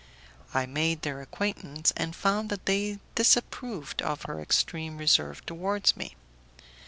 I made their acquaintance, and found that they disapproved of her extreme reserve towards me.